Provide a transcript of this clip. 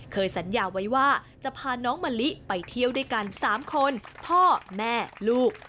สัญญาไว้ว่าจะพาน้องมะลิไปเที่ยวด้วยกัน๓คนพ่อแม่ลูก